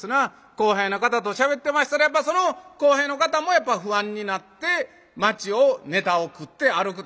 後輩の方としゃべってましたらばその後輩の方もやっぱ不安になって街をネタを繰って歩くと。